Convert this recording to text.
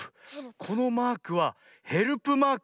このマークはヘルプマーク。